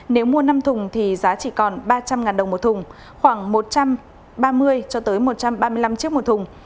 nếu mua năm thùng thì giá chỉ còn ba trăm linh đồng một thùng khoảng một trăm ba mươi cho tới một trăm ba mươi năm chiếc một thùng